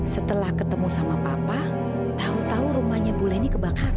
setelah ketemu sama papa tahu tahu rumahnya bu leni kebakaran